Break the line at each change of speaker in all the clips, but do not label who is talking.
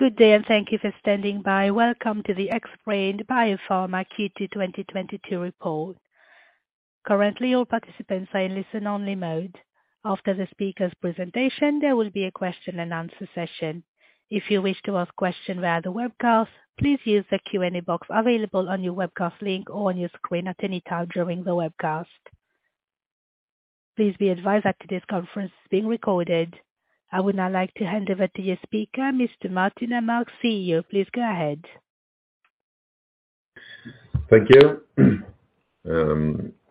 Good day and thank you for standing by. Welcome to the Xbrane Biopharma Q2 2022 Report. Currently, all participants are in listen-only mode. After the speaker's presentation, there will be a question and answer session. If you wish to ask questions via the webcast, please use the Q&A box available on your webcast link or on your screen at any time during the webcast. Please be advised that today's conference is being recorded. I would now like to hand over to your speaker, Mr. Martin Åmark, CEO. Please go ahead.
Thank you.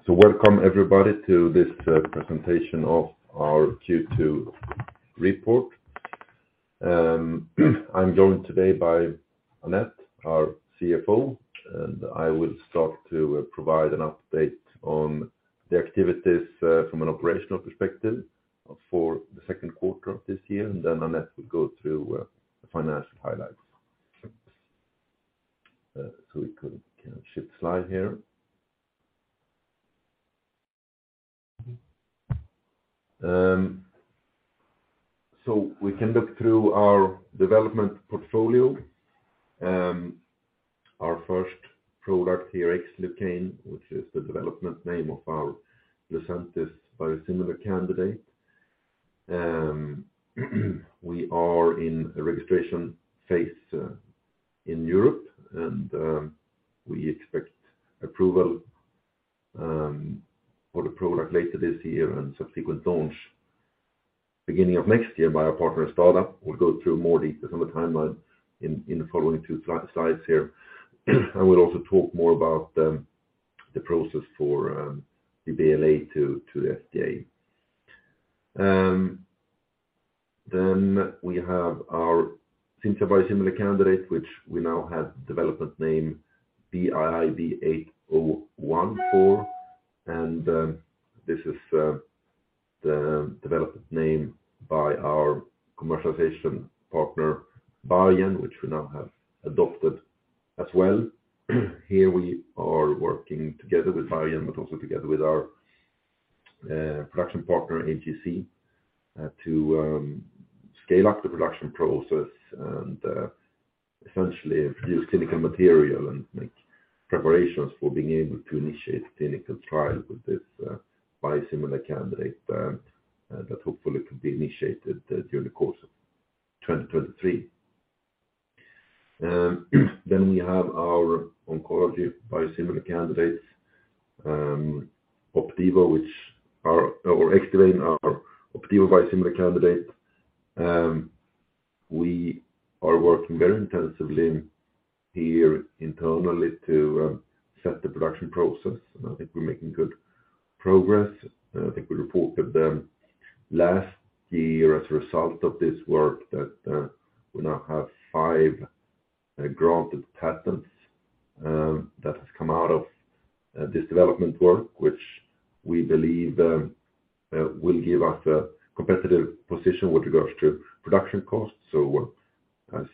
Welcome everybody to this presentation of our Q2 report. I'm joined today by Annette, our CFO, and I will start to provide an update on the activities from an operational perspective for the second quarter of this year, and then Annette will go through the financial highlights. We can shift slide here. We can look through our development portfolio. Our first product here, Xlucane, which is the development name of our Lucentis biosimilar candidate. We are in the registration phase in Europe, and we expect approval for the product later this year and subsequent launch beginning of next year by our partner, STADA. We'll go through more details on the timeline in the following two slides here. I will also talk more about the process for the BLA to the FDA. We have our Cimzia biosimilar candidate, which we now have development name BIIB801, and this is the development name by our commercialization partner, Biogen, which we now have adopted as well. Here we are working together with Biogen, but also together with our production partner, AGC, to scale up the production process and essentially produce clinical material and make preparations for being able to initiate clinical trials with this biosimilar candidate that hopefully could be initiated during the course of 2023. We have our oncology biosimilar candidates, Xdivane, our Opdivo biosimilar candidate. We are working very intensively here internally to set the production process, and I think we're making good progress. I think we reported last year as a result of this work that we now have five granted patents that has come out of this development work, which we believe will give us a competitive position with regards to production costs. As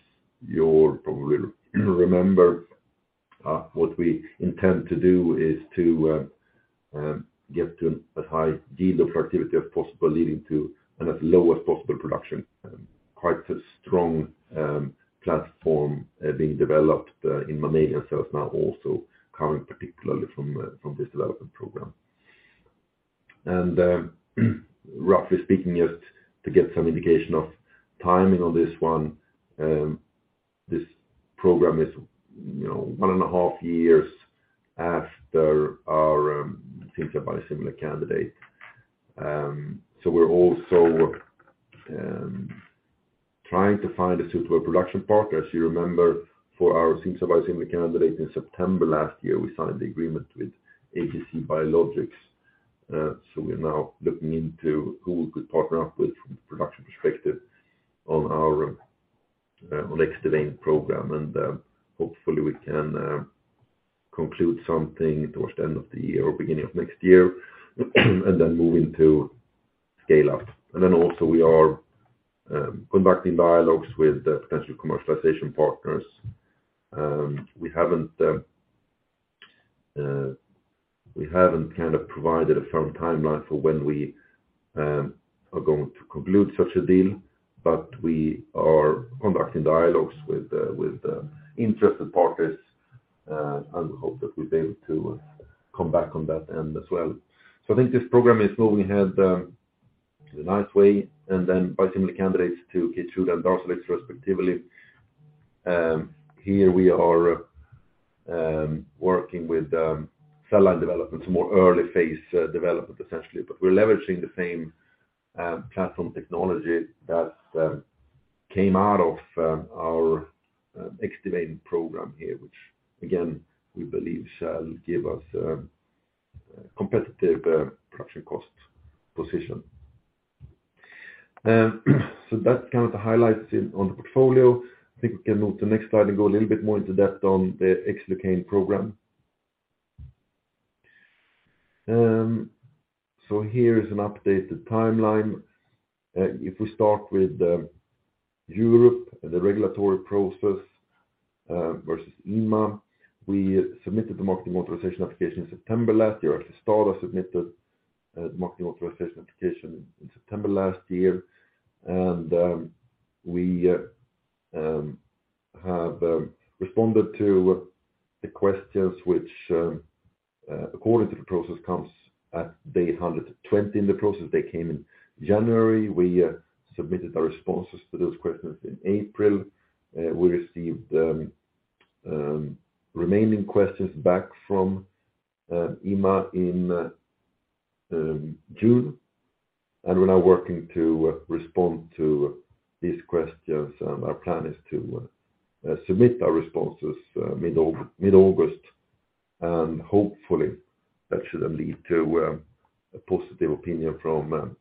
you'll probably remember, what we intend to do is to get to as high yield of activity as possible, leading to an as low as possible production. Quite a strong platform being developed in Romania, and it's now also coming particularly from this development program. Roughly speaking, just to get some indication of timing on this one, this program is, you know, one and a half years after our Cimzia biosimilar candidate. We're also trying to find a suitable production partner. As you remember, for our Cimzia biosimilar candidate in September last year, we signed the agreement with AGC Biologics. We're now looking into who we could partner up with from the production perspective on our Xdivane program. Hopefully we can conclude something towards the end of the year or beginning of next year, and then move into scale up. We are conducting dialogues with the potential commercialization partners. We haven't kind of provided a firm timeline for when we are going to conclude such a deal, but we are conducting dialogues with interested parties and hope that we'll be able to come back on that end as well. I think this program is moving ahead in a nice way, and then biosimilar candidates to Keytruda and Darzalex respectively. Here we are working with cell line development, it's more early phase development essentially. We're leveraging the same platform technology that came out of our Xdivane program here, which again, we believe shall give us competitive production cost position. That's kind of the highlights on the portfolio. I think we can move to the next slide and go a little bit more into depth on the Xlucane program. So here is an updated timeline. If we start with Europe and the regulatory process versus EMA. We submitted the Marketing Authorization Application September last year. STADA submitted a Marketing Authorization Application in September last year. We have responded to the questions which according to the process comes at day 120 in the process. They came in January. We submitted our responses to those questions in April. We received remaining questions back from EMA in June, and we're now working to respond to these questions, and our plan is to submit our responses mid-August. Hopefully that should then lead to a positive opinion from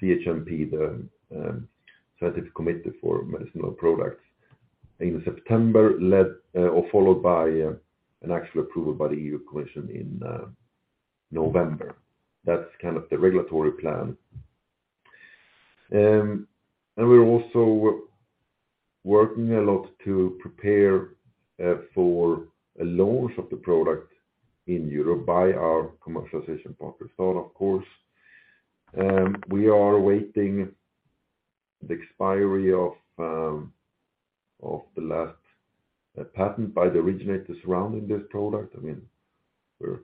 CHMP, the Scientific Committee for Medicinal Products in September, led or followed by an actual approval by the European Commission in November. That's kind of the regulatory plan. We're also working a lot to prepare for a launch of the product in Europe by our commercialization partner, STADA of course. We are awaiting the expiry of the last patent by the originator surrounding this product. I mean, we're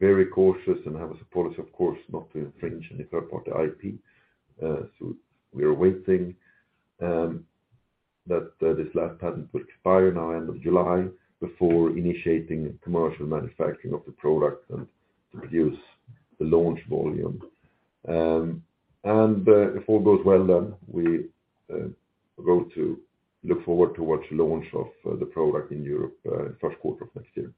very cautious and have a policy of course not to infringe any third-party IP. So we are waiting that this last patent will expire now end of July before initiating commercial manufacturing of the product and to produce the launch volume. If all goes well then we go to look forward towards launch of the product in Europe in first quarter of next year.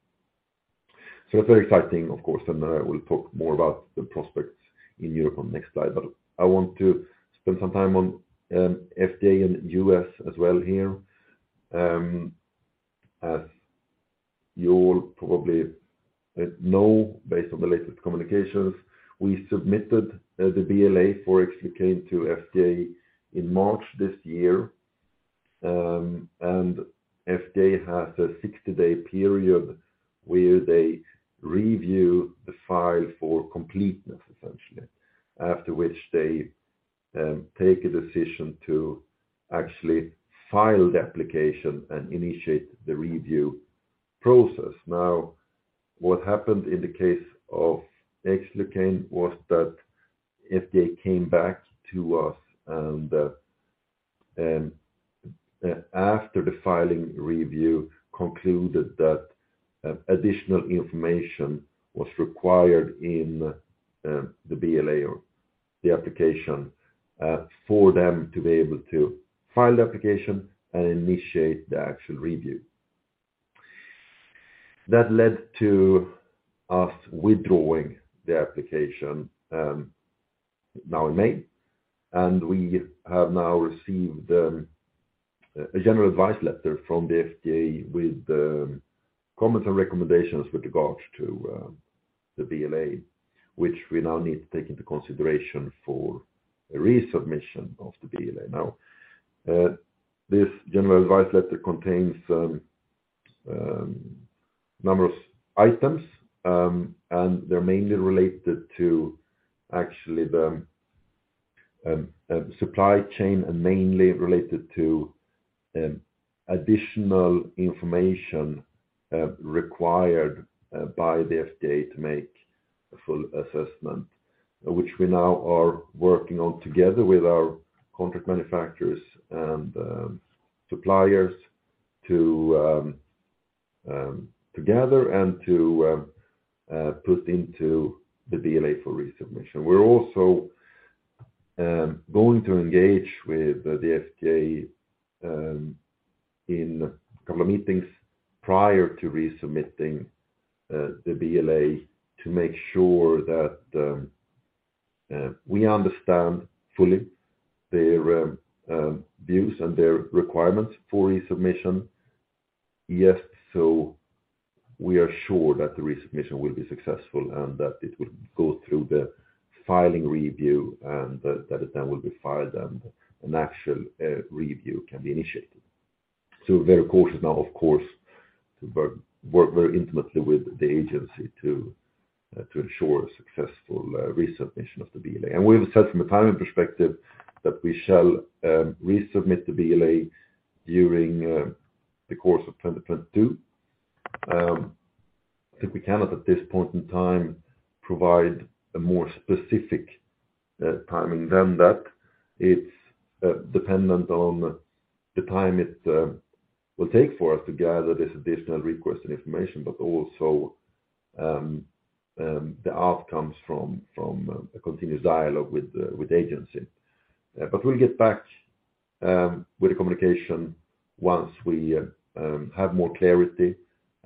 It's very exciting, of course, and I will talk more about the prospects in Europe on next slide. I want to spend some time on FDA and U.S. as well here. As you all probably know based on the latest communications, we submitted the BLA for Xlucane to FDA in March this year. FDA has a 60-day period where they review the file for completeness, essentially, after which they take a decision to actually file the application and initiate the review process. Now, what happened in the case of Xlucane was that FDA came back to us and, after the filing review, concluded that additional information was required in the BLA or the application, for them to be able to file the application and initiate the actual review. That led to us withdrawing the application, now in May, and we have now received a general advice letter from the FDA with comments and recommendations with regards to the BLA, which we now need to take into consideration for a resubmission of the BLA. This general advice letter contains a number of items, and they're mainly related to actually the supply chain and additional information required by the FDA to make a full assessment, which we now are working on together with our contract manufacturers and suppliers to put into the BLA for resubmission. We're also going to engage with the FDA in a couple of meetings prior to resubmitting the BLA to make sure that we understand fully their views and their requirements for resubmission so we are sure that the resubmission will be successful and that it will go through the filing review, and that it then will be filed and an actual review can be initiated. Very cautious now, of course, to work very intimately with the agency to ensure a successful resubmission of the BLA. We've said from a timing perspective that we shall resubmit the BLA during the course of 2022. I think we cannot at this point in time provide a more specific timing than that. It's dependent on the time it will take for us to gather this additional requested information, but also the outcomes from a continuous dialogue with the agency. But we'll get back with a communication once we have more clarity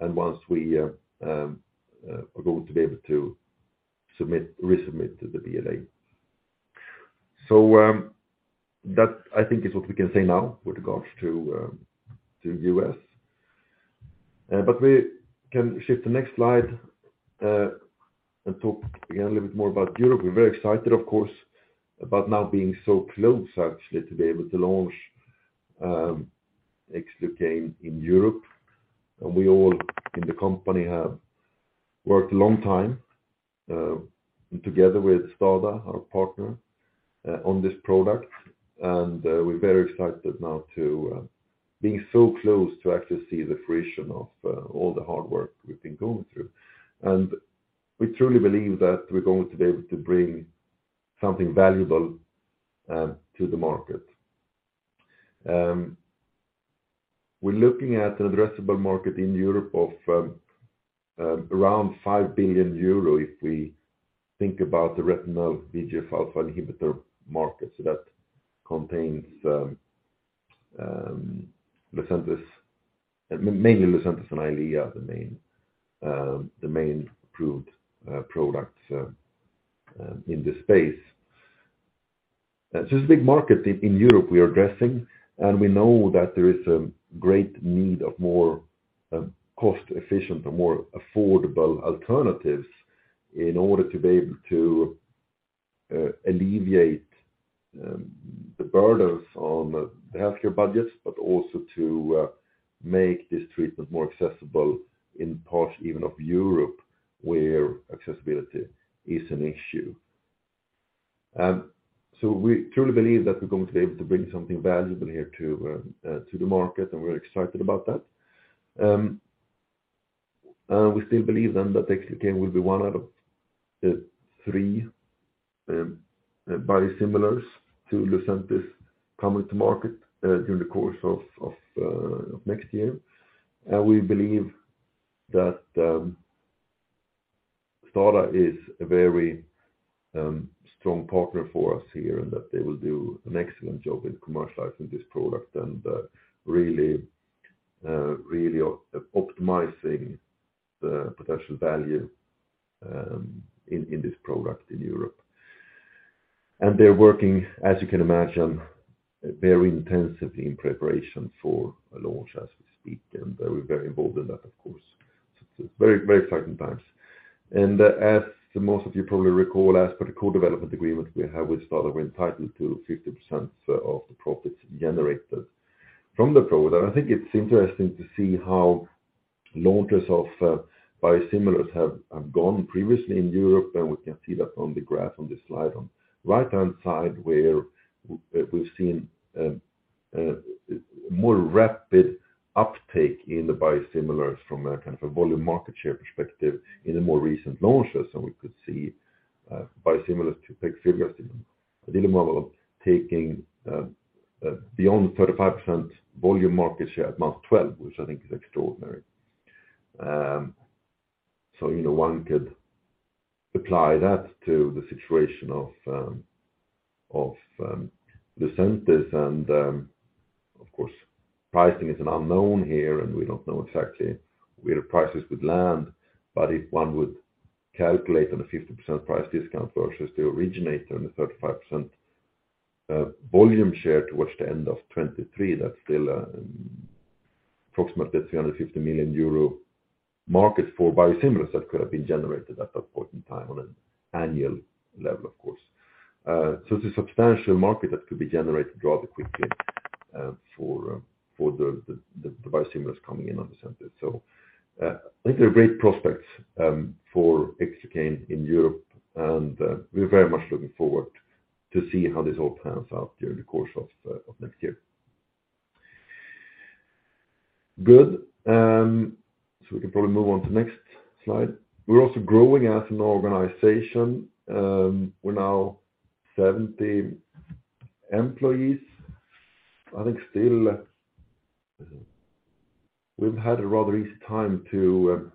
and once we are going to be able to resubmit the BLA. That I think is what we can say now with regards to the U.S. We can shift the next slide and talk again a little bit more about Europe. We're very excited of course, about now being so close actually to be able to launch Xlucane in Europe. We all in the company have worked a long time together with STADA, our partner, on this product. We're very excited now to being so close to actually see the fruition of all the hard work we've been going through. We truly believe that we're going to be able to bring something valuable to the market. We're looking at an addressable market in Europe of around 5 billion euro if we think about the retinal VEGF-A inhibitor market. That contains mainly Lucentis and Eylea, the main approved products in this space. It's a big market in Europe we are addressing, and we know that there is a great need of more cost efficient and more affordable alternatives in order to be able to alleviate the burdens on the healthcare budgets, but also to make this treatment more accessible in parts even of Europe where accessibility is an issue. We truly believe that we're going to be able to bring something valuable here to the market, and we're excited about that. We still believe that Xlucane will be one out of three biosimilars to Lucentis coming to market during the course of next year. We believe that STADA is a very strong partner for us here, and that they will do an excellent job in commercializing this product and really optimizing the potential value in this product in Europe. They're working, as you can imagine, very intensively in preparation for a launch as we speak. We're very involved in that of course. It's very, very exciting times. As most of you probably recall, as per the co-development agreement we have with STADA, we're entitled to 50% of the profits generated from the product. I think it's interesting to see how launches of biosimilars have gone previously in Europe, and we can see that on the graph on this slide on right-hand side where we've seen more rapid uptake in the biosimilars from a kind of a volume market share perspective in the more recent launches. We could see biosimilars to pegfilgrastim, Adalimumab, taking beyond 35% volume market share at month 12, which I think is extraordinary. You know, one could apply that to the situation of Lucentis, and of course pricing is an unknown here and we don't know exactly where prices would land. If one would calculate on a 50% price discount versus the originator and a 35%, volume share towards the end of 2023, that's still approximately 350 million euro market for biosimilars that could have been generated at that point in time on an annual level of course. It's a substantial market that could be generated rather quickly, for the biosimilars coming in on Lucentis. I think there are great prospects, for Xlucane in Europe and, we are very much looking forward to see how this all pans out during the course of next year. Good. We can probably move on to the next slide. We're also growing as an organization. We're now 70 employees. I think still we've had a rather easy time to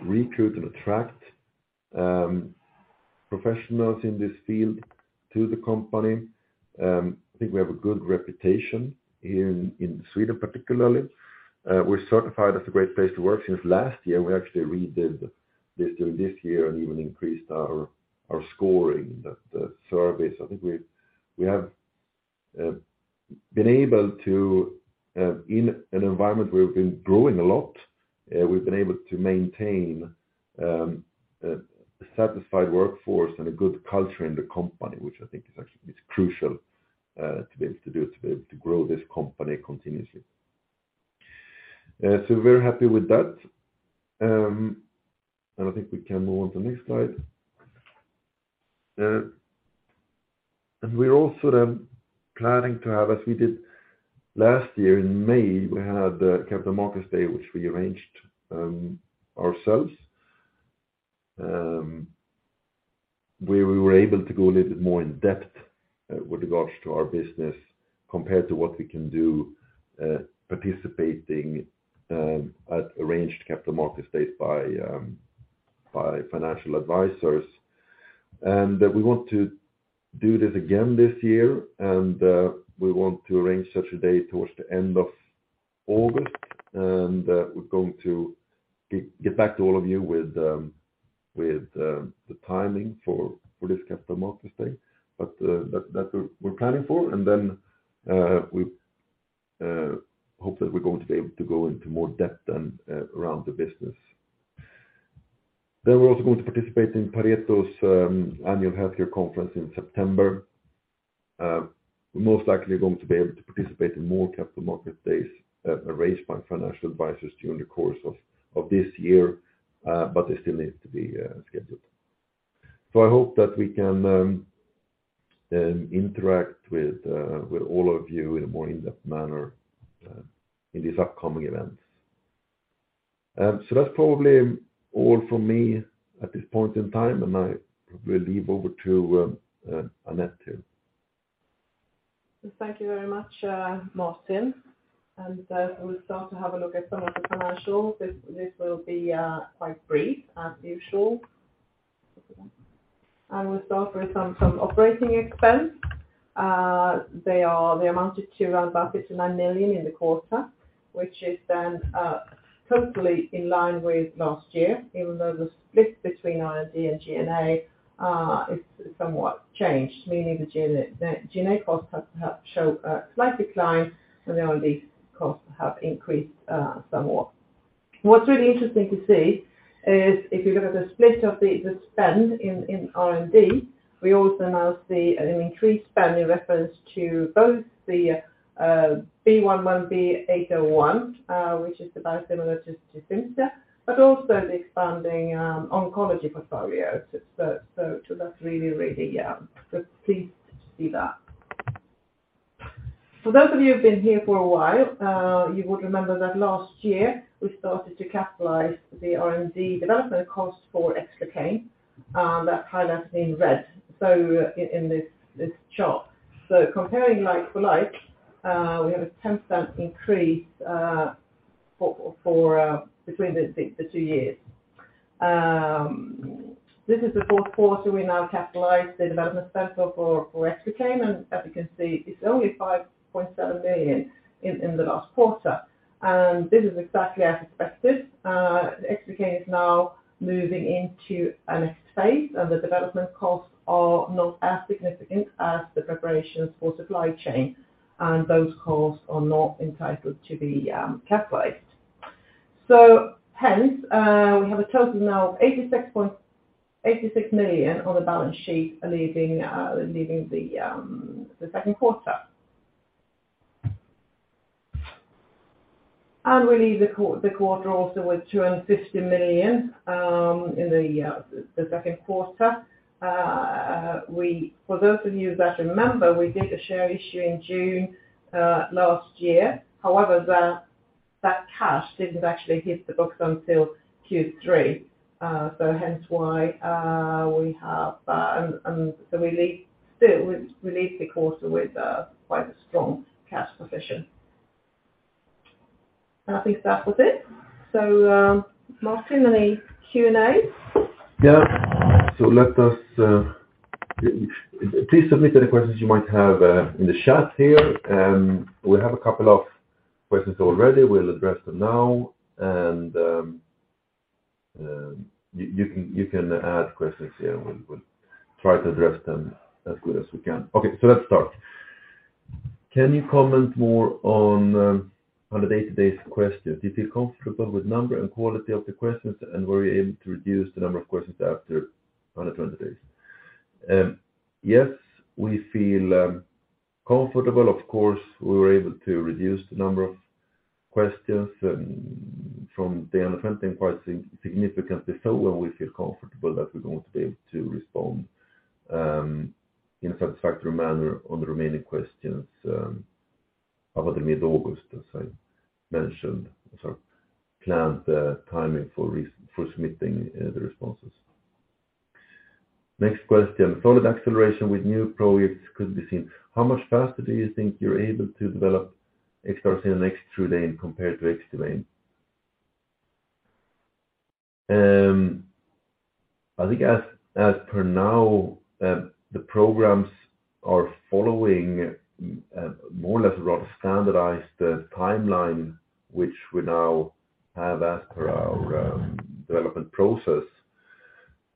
recruit and attract professionals in this field to the company. I think we have a good reputation in Sweden particularly. We're certified as a Great Place to Work since last year. We actually redid this during this year and even increased our scoring the surveys. I think we have been able to in an environment where we've been growing a lot, we've been able to maintain a satisfied workforce and a good culture in the company, which I think is actually crucial to be able to grow this company continuously. We're very happy with that. I think we can move on to the next slide. We're also then planning to have, as we did last year in May, we had a capital markets day, which we arranged ourselves. Where we were able to go a little bit more in depth with regards to our business compared to what we can do participating at arranged capital markets days by financial advisors. We want to do this again this year and we want to arrange such a day towards the end of August. We're going to get back to all of you with the timing for this capital markets day, but that we're planning for. We hope that we're going to be able to go into more depth around the business. We're also going to participate in Pareto's annual healthcare conference in September. We're most likely going to be able to participate in more capital market days arranged by financial advisors during the course of this year, but they still need to be scheduled. I hope that we can interact with all of you in a more in-depth manner in these upcoming events. That's probably all from me at this point in time, and I will hand over to Annette here.
Thank you very much, Martin. We'll start to have a look at some of the financials. This will be quite brief as usual. I will start with some operating expense. They amounted to around 39 million in the quarter, which is then totally in line with last year, even though the split between R&D and G&A is somewhat changed, meaning the G&A costs have showed a slight decline, and the R&D costs have increased somewhat. What's really interesting to see is if you look at the split of the spend in R&D, we also now see an increased spend in reference to both the BIIB801, which is the biosimilar to Cimzia, but also the expanding oncology portfolio. That's really pleased to see that. For those of you who've been here for a while, you would remember that last year we started to capitalize the R&D development cost for Xlucane, that's highlighted in red. In this chart. Comparing like for like, we have a 10% increase between the two years. This is the fourth quarter we now capitalize the development spend for Xlucane, and as you can see it's only 5.7 million in the last quarter. This is exactly as expected. Xlucane is now moving into the next phase, and the development costs are not as significant as the preparations for supply chain, and those costs are not entitled to be capitalized. Hence, we have a total now of 86 million on the balance sheet leaving the second quarter. We leave the quarter also with 250 million in the second quarter. For those of you that remember, we did a share issue in June last year. However, that cash didn't actually hit the books until Q3. Still we leave the quarter with quite a strong cash position. I think that was it. Martin, any Q&A?
Yeah. Let us. Please submit any questions you might have in the chat here. We have a couple of questions already. We'll address them now. You can add questions here. We'll try to address them as good as we can. Okay. Let's start. Can you comment more on the day-to-day questions? Do you feel comfortable with number and quality of the questions, and were you able to reduce the number of questions after 120 days? Yes, we feel comfortable. Of course, we were able to reduce the number of questions from the end of Q1 quite significantly. While we feel comfortable that we're going to be able to respond in a satisfactory manner on the remaining questions by mid-August, as I mentioned. Planned timing for submitting the responses. Next question. Solid acceleration with new projects could be seen. How much faster do you think you're able to develop Keytruda and Darzalex compared to Xdivane? I think as per now the programs are following more or less along a standardized timeline, which we now have as per our development process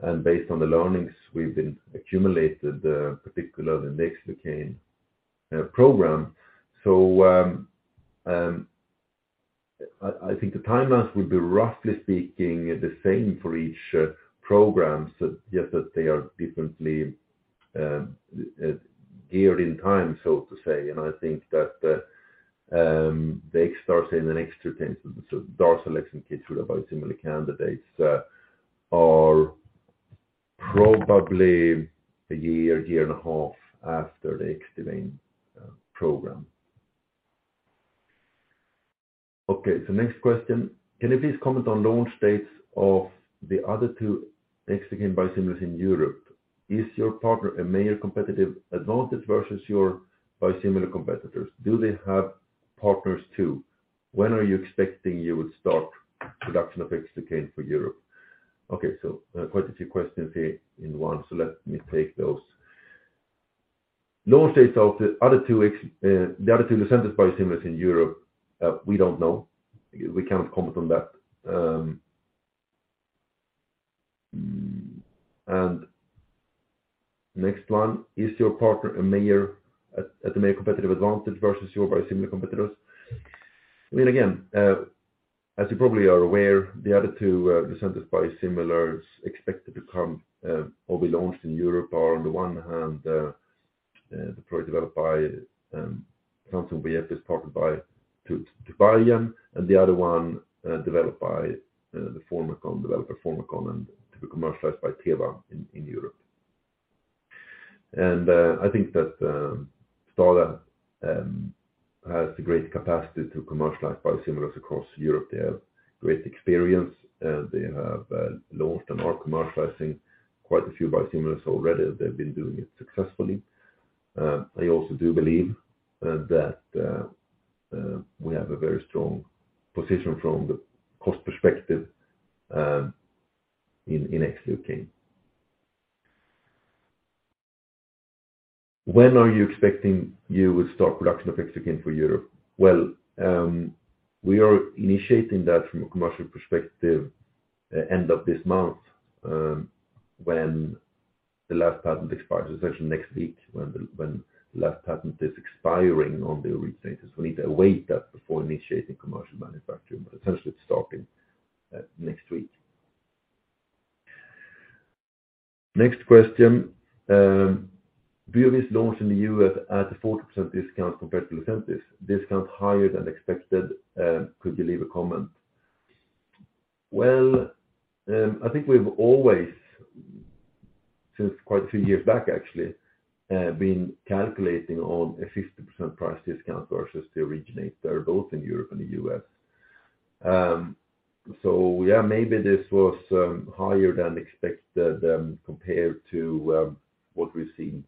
and based on the learnings we've accumulated particularly in the Xlucane program. I think the timelines will be, roughly speaking, the same for each program. Just that they are differently geared in time, so to say. I think that the Xoncane and Xlucane cell line selection phase with about similar candidates are probably a year and a half after the Xdivane program. Okay. Next question. Can you please comment on launch dates of the other two Xlucane biosimilars in Europe? Is your partner a major competitive advantage versus your biosimilar competitors? Do they have partners too? When are you expecting you would start production of Xlucane for Europe? Okay. Quite a few questions here in one, so let me take those. Launch dates of the other two Xlucane biosimilars in Europe, we don't know. We cannot comment on that. Next one, is your partner, Amneal, a competitive advantage versus your biosimilar competitors? I mean, again, as you probably are aware, the other two Lucentis biosimilars expected to come or be launched in Europe are on the one hand the product developed by Samsung Bioepis, partnered by Biogen, and the other one developed by Formycon and to be commercialized by Teva in Europe. I think that STADA has a great capacity to commercialize biosimilars across Europe. They have great experience, and they have launched and are commercializing quite a few biosimilars already. They've been doing it successfully. I also do believe that we have a very strong position from the cost perspective in Xlucane. When are you expecting you will start production of Xlucane for Europe? Well, we are initiating that from a commercial perspective end of this month, when the last patent expires, essentially next week when the last patent is expiring on the originator. We need to await that before initiating commercial manufacturing, but essentially it's starting next week. Next question. Byooviz is launched in the US at a 40% discount compared to Lucentis. Discount higher than expected. Could you leave a comment? Well, I think we've always, since quite a few years back actually, been calculating on a 50% price discount versus the originator, both in Europe and the U.S. Yeah, maybe this was higher than expected, compared to what we've seen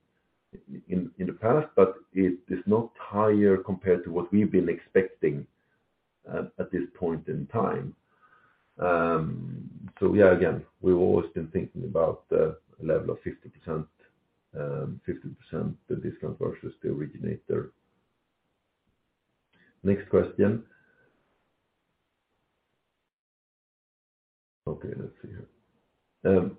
in the past, but it is not higher compared to what we've been expecting at this point in time. Yeah, again, we've always been thinking about the level of 50% the discount versus the originator. Next question. Okay, let's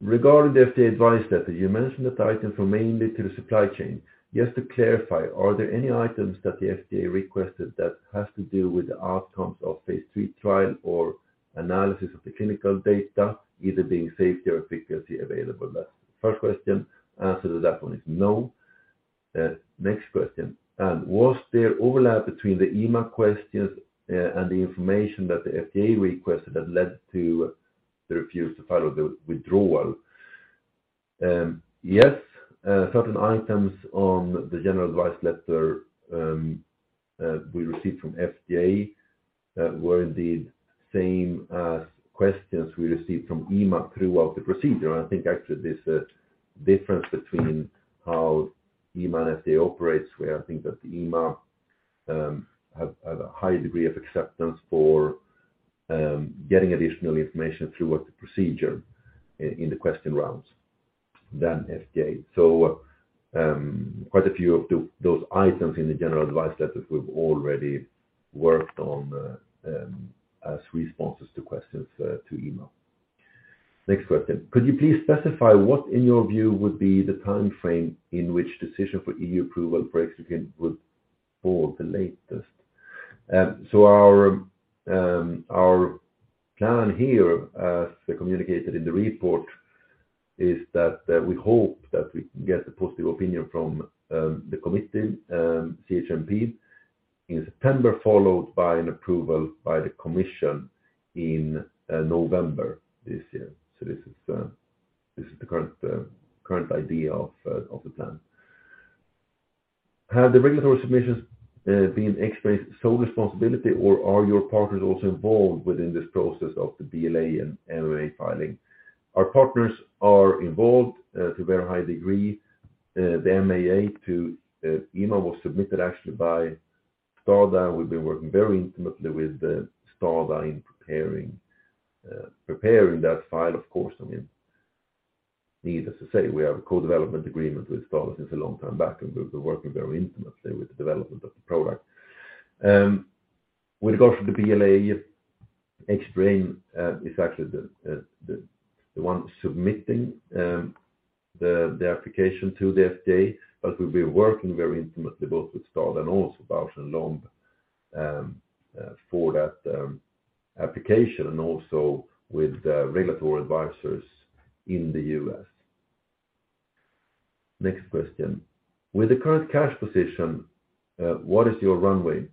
see here. Regarding the FDA advice letter, you mentioned that item from mainly to the supply chain. Just to clarify, are there any items that the FDA requested that has to do with the outcomes of Phase III trial or analysis of the clinical data either being safety or efficacy available? That's the first question. Answer to that one is no. Next question. Was there overlap between the EMA questions and the information that the FDA requested that led to the refuse to file the withdrawal? Yes, certain items on the general advice letter we received from FDA were indeed same questions we received from EMA throughout the procedure. I think actually there's a difference between how EMA and FDA operates, where I think that the EMA have a high degree of acceptance for getting additional information throughout the procedure in the question rounds than FDA. Quite a few of those items in the general advice letters we've already worked on as responses to questions to EMA. Next question. Could you please specify what in your view would be the time frame in which decision for EU approval for Xlucane would fall the latest? Our plan here, as we communicated in the report, is that we hope that we can get a positive opinion from the committee, CHMP in September, followed by an approval by the commission in November this year. This is the current idea of the plan. Have the regulatory submissions been Xbrane's sole responsibility, or are your partners also involved within this process of the BLA and MAA filing? Our partners are involved to a very high degree. The MAA to EMA was submitted actually by STADA. We've been working very intimately with STADA in preparing that file, of course. I mean, needless to say, we have a co-development agreement with STADA since a long time back, and we've been working very intimately with the development of the product. With regard to the BLA, Xbrane is actually the one submitting the application to the FDA, but we'll be working very intimately both with STADA and also Bausch + Lomb for that application and also with the regulatory advisors in the US. Next question. With the current cash position, what is your runway?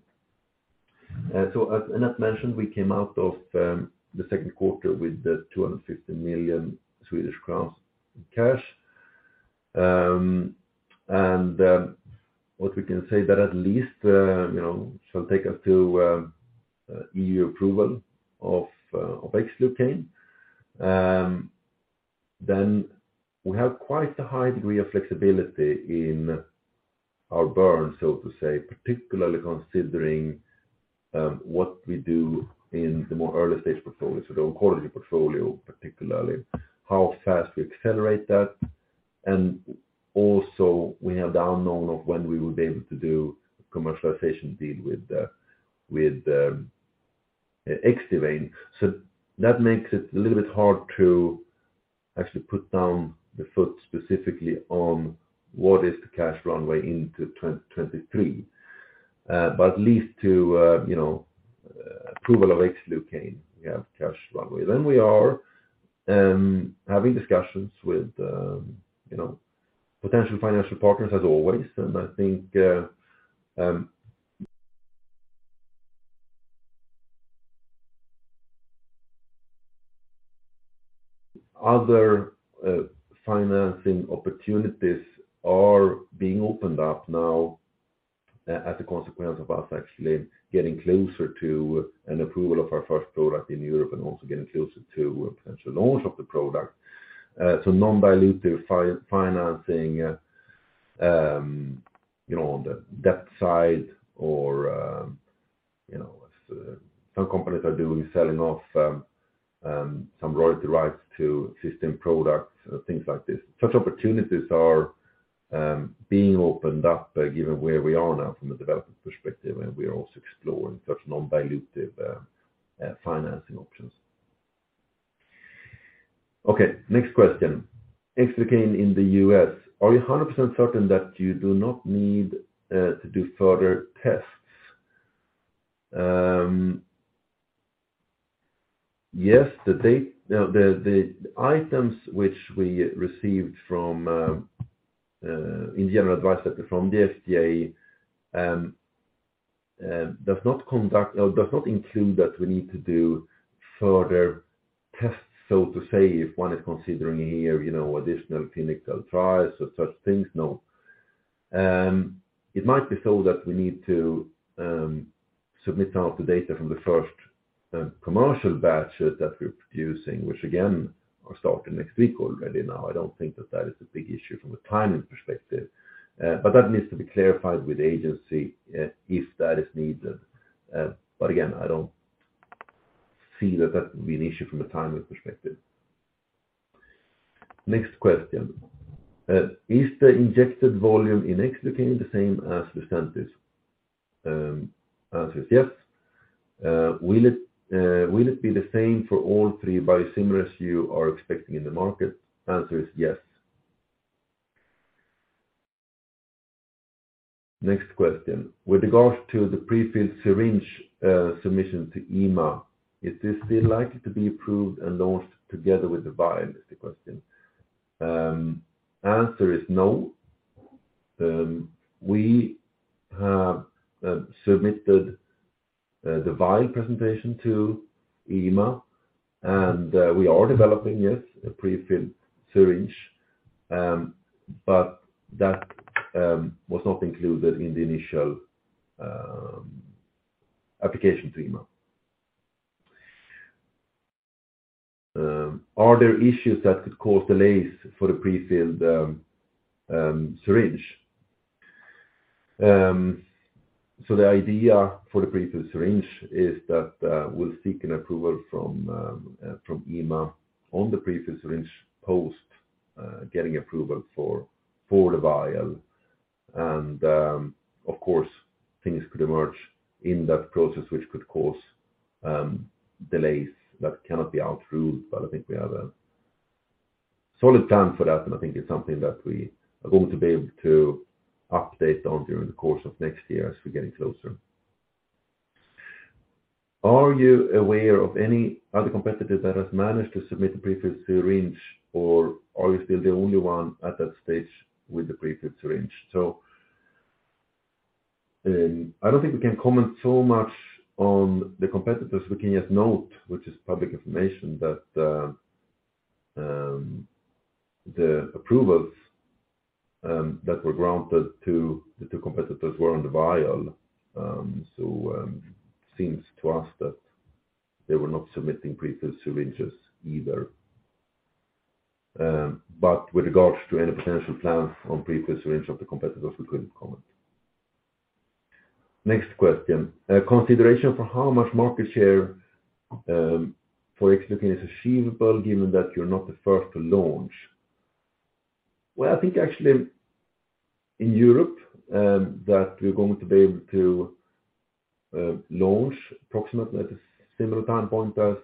As Annette mentioned, we came out of the second quarter with 250 million Swedish crowns in cash. What we can say that at least, you know, shall take us to EU approval of Xlucane. We have quite a high degree of flexibility in our burn, so to say, particularly considering what we do in the more early-stage portfolio. The oncology portfolio, particularly how fast we accelerate that. We have the unknown of when we will be able to do commercialization deal with the Xdivane. That makes it a little bit hard to actually put down the foot specifically on what is the cash runway into 2023. At least to you know approval of Xlucane, we have cash runway. We are having discussions with you know potential financial partners as always. I think other financing opportunities are being opened up now as a consequence of us actually getting closer to an approval of our first product in Europe and also getting closer to a potential launch of the product. Non-dilutive financing, you know, on the debt side or, you know, as some companies are doing, selling off, some royalty rights to existing products, things like this. Such opportunities are being opened up, given where we are now from a development perspective, and we are also exploring such non-dilutive financing options. Okay, next question. Xlucane in the US, are you 100% certain that you do not need to do further tests? Yes. The items which we received in general advice from the FDA does not include that we need to do further tests, so to say if one is considering here, you know, additional clinical trials or such things. No. It might be so that we need to submit now the data from the first commercial batches that we're producing, which again are starting next week already now. I don't think that is a big issue from a timing perspective. But that needs to be clarified with the agency if that is needed. But again, I don't see that would be an issue from a timing perspective. Next question. Is the injected volume in Xlucane the same as Lucentis? Answer is yes. Will it be the same for all three biosimilars you are expecting in the market? Answer is yes. Next question. With regards to the prefilled syringe submission to EMA, is this still likely to be approved and launched together with the vial, is the question. Answer is no. We have submitted the vial presentation to EMA, and we are developing, yes, a prefilled syringe, but that was not included in the initial application to EMA. Are there issues that could cause delays for the prefilled syringe? The idea for the prefilled syringe is that we'll seek an approval from EMA on the prefilled syringe post getting approval for the vial. Of course, things could emerge in that process, which could cause delays that cannot be ruled out. I think we have a solid plan for that, and I think it's something that we are going to be able to update on during the course of next year as we're getting closer. Are you aware of any other competitor that has managed to submit a prefilled syringe, or are you still the only one at that stage with the prefilled syringe? I don't think we can comment so much on the competitors. We can just note, which is public information, that the approvals that were granted to the two competitors were on the vial. Seems to us that they were not submitting prefilled syringes either. With regards to any potential plans on prefilled syringe of the competitors, we couldn't comment. Next question. Consideration for how much market share for Xlucane is achievable given that you're not the first to launch? Well, I think actually in Europe that we're going to be able to launch approximately at a similar time point as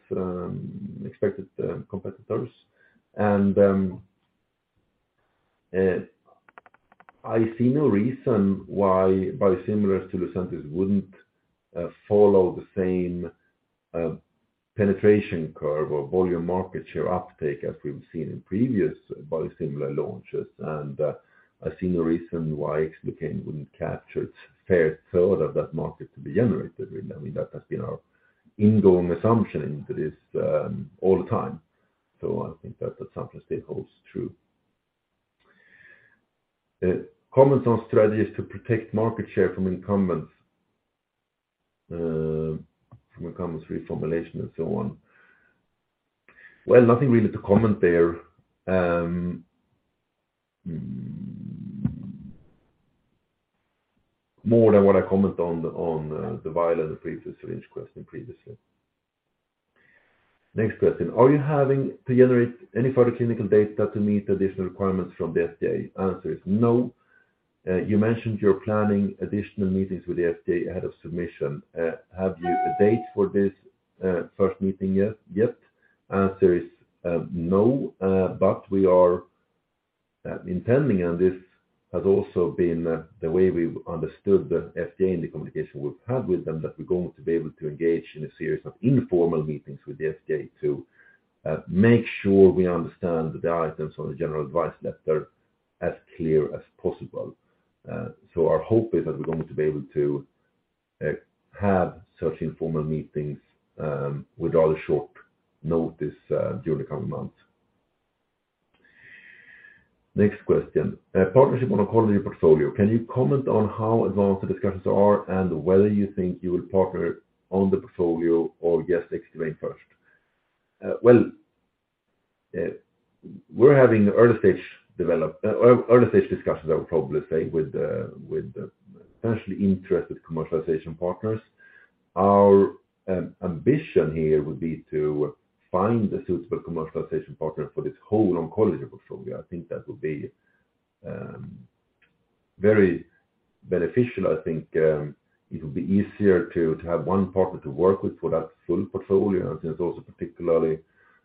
expected competitors. I see no reason why biosimilars to Lucentis wouldn't follow the same penetration curve or volume market share uptake as we've seen in previous biosimilar launches. I see no reason why Xlucane wouldn't capture its fair share of that market to be generated. I mean, that has been our ongoing assumption into this all the time. I think that assumption still holds true. Comments on strategies to protect market share from incumbents reformulation and so on. Well, nothing really to comment there more than what I comment on the vial and the prefilled syringe question previously. Next question. Are you having to generate any further clinical data to meet the additional requirements from the FDA? Answer is no. You mentioned you're planning additional meetings with the FDA ahead of submission. Have you a date for this first meeting yet? Answer is no. We are intending, and this has also been the way we've understood the FDA in the communication we've had with them, that we're going to be able to engage in a series of informal meetings with the FDA to make sure we understand the guidance on the general advice letter as clear as possible. Our hope is that we're going to be able to have such informal meetings with rather short notice during the coming months. Next question. Partnership on oncology portfolio, can you comment on how advanced the discussions are and whether you think you will partner on the portfolio or just Xlucane first? We're having early stage discussions, I would probably say, with potentially interested commercialization partners. Our ambition here would be to find a suitable commercialization partner for this whole oncology portfolio. I think that would be very beneficial. I think it will be easier to have one partner to work with for that full portfolio. I think it's also particularly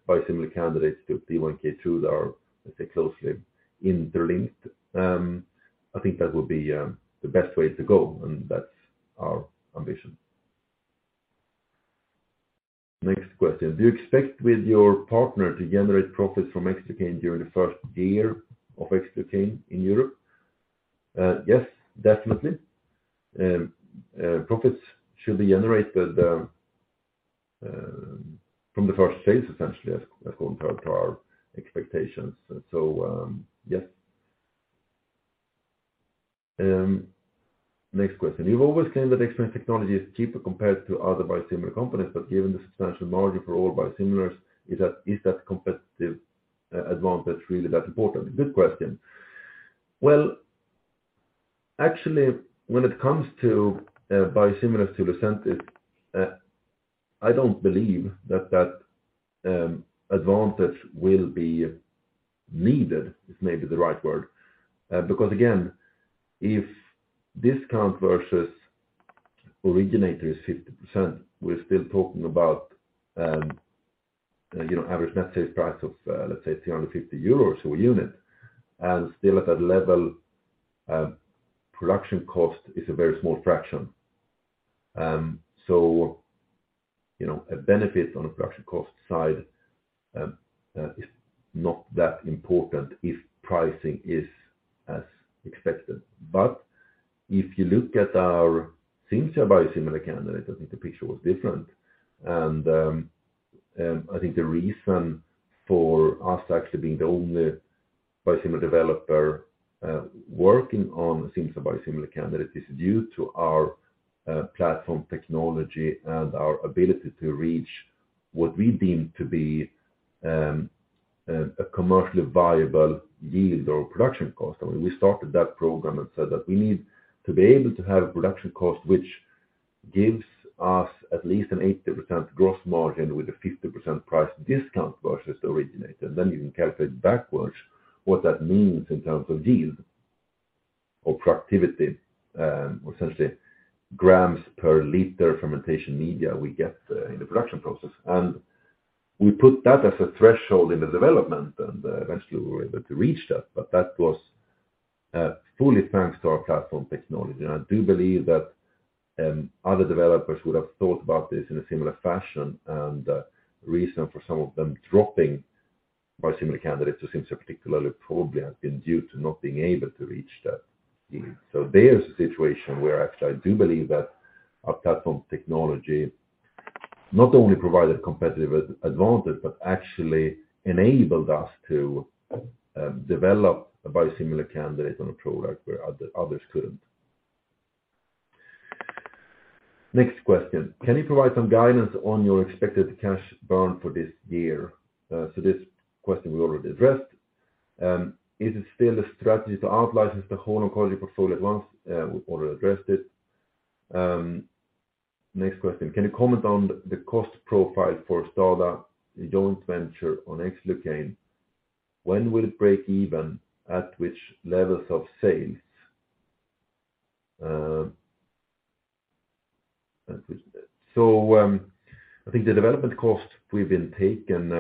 biosimilar candidates to PD-1 that are, let's say, closely interlinked. I think that would be the best way to go, and that's our ambition. Next question. Do you expect with your partner to generate profits from Xlucane during the first year of Xlucane in Europe? Yes, definitely. Profits should be generated from the first phase, essentially, as compared to our expectations. Yes. Next question. You've always claimed that Xbrane technology is cheaper compared to other biosimilar companies, but given the substantial margin for all biosimilars, is that competitive advantage really that important? Good question. Well, actually, when it comes to biosimilars to Lucentis, I don't believe that advantage will be needed, is maybe the right word. Because again, if discount versus originator is 50%, we're still talking about average net sales price of, let's say 350 euros a unit. Still at that level, production cost is a very small fraction. A benefit on the production cost side is not that important if pricing is as expected. If you look at our Cimzia biosimilar candidate, I think the picture was different. I think the reason for us actually being the only biosimilar developer working on Cimzia biosimilar candidate is due to our platform technology and our ability to reach what we deem to be a commercially viable yield or production cost. I mean, we started that program and said that we need to be able to have a production cost which gives us at least an 80% gross margin with a 50% price discount versus originator. You can calculate backwards what that means in terms of yield or productivity or essentially grams per liter fermentation media we get in the production process. We put that as a threshold in the development, and eventually we were able to reach that. That was fully thanks to our platform technology. I do believe that other developers would have thought about this in a similar fashion. The reason for some of them dropping biosimilar candidates to Cimzia particularly probably has been due to not being able to reach that yield. There's a situation where actually I do believe that our platform technology not only provided competitive advantage, but actually enabled us to develop a biosimilar candidate and a product where others couldn't. Next question. Can you provide some guidance on your expected cash burn for this year? This question we already addressed. Is it still the strategy to outlicense the whole oncology portfolio at once? We've already addressed it. Next question. Can you comment on the cost profile for STADA, joint venture on Xlucane? When will it break even? At which levels of sales? I think the development costs we've been taking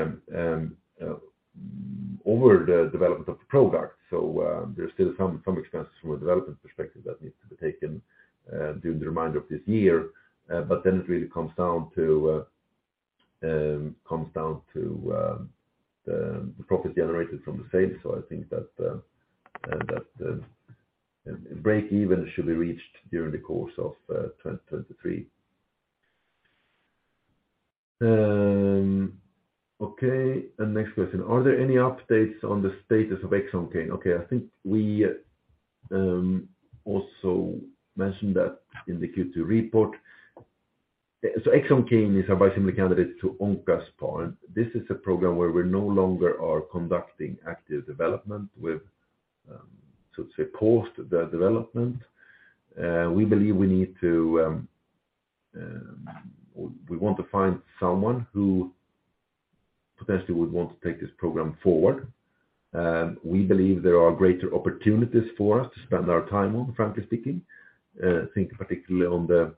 over the development of the product. There's still some expenses from a development perspective that needs to be taken during the remainder of this year. Then it really comes down to the profit generated from the sales. I think that break even should be reached during the course of 2023. Okay. Next question. Are there any updates on the status of Xoncane? Okay. I think we also mentioned that in the Q2 report. Xoncane is a biosimilar candidate to Oncaspar. This is a program where we no longer are conducting active development with, so to say paused the development. We believe we need to, we want to find someone who potentially would want to take this program forward. We believe there are greater opportunities for us to spend our time on, frankly speaking. I think particularly on the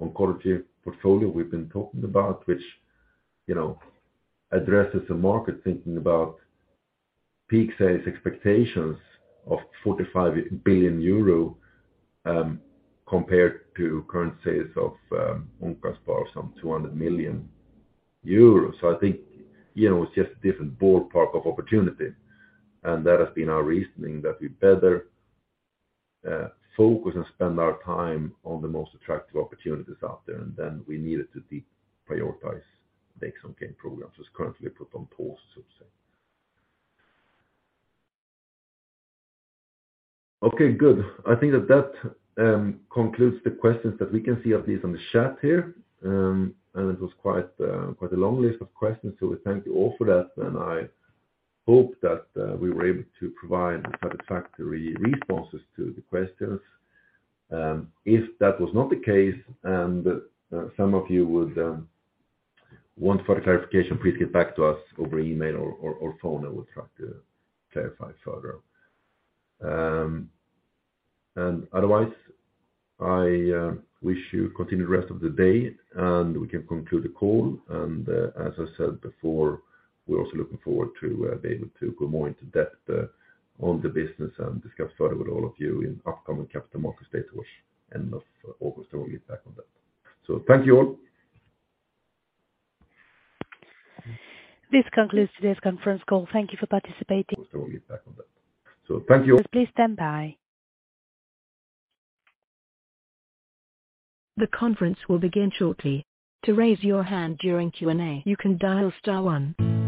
oncology portfolio we've been talking about, which, you know, addresses the market thinking about peak sales expectations of 45 billion euro, compared to current sales of Oncaspar of some 200 million euros. I think, you know, it's just a different ballpark of opportunity, and that has been our reasoning that we better focus and spend our time on the most attractive opportunities out there. We needed to deprioritize the Xoncane program, so it's currently put on pause so to say. Okay, good. I think that concludes the questions that we can see at least on the chat here. It was quite a long list of questions. We thank you all for that, and I hope that we were able to provide satisfactory responses to the questions. If that was not the case and some of you would want further clarification, please get back to us over email or phone and we'll try to clarify further. Otherwise, I wish you continued rest of the day, and we can conclude the call. As I said before, we're also looking forward to be able to go more into depth on the business and discuss further with all of you in upcoming Capital Market Day towards end of August, and we'll get back on that. Thank you all.
This concludes today's conference call. Thank you for participating.
We'll get back on that. Thank you all.